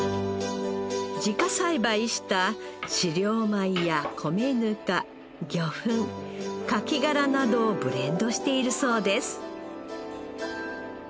自家栽培した飼料米や米ぬか魚粉カキ殻などをブレンドしているそうです